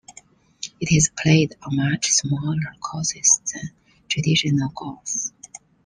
It is played on much smaller courses than traditional golf.